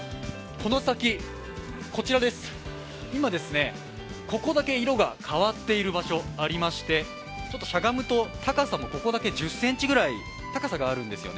こちらです、今、ここだけ色が変わっている場所がありましてしゃがむとここだけ１０ｃｍくらい高さがあるんです。